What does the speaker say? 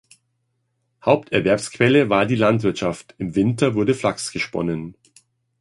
Haupterwerbsquelle war die Landwirtschaft, im Winter wurde Flachs gesponnen.